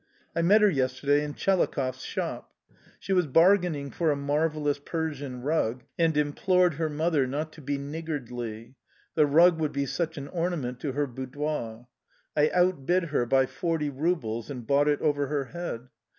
I met her yesterday in Chelakhov's shop. She was bargaining for a marvellous Persian rug, and implored her mother not to be niggardly: the rug would be such an ornament to her boudoir... I outbid her by forty rubles, and bought it over her head.